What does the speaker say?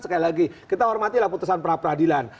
sekali lagi kita hormatilah putusan pra peradilan